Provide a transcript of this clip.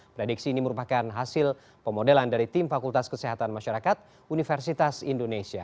prediksi ini merupakan hasil pemodelan dari tim fakultas kesehatan masyarakat universitas indonesia